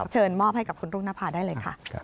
เชิญมอบให้กับคุณรุ่งนภาได้เลยค่ะ